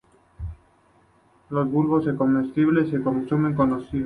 Los bulbos son comestibles y se consumen cocidos.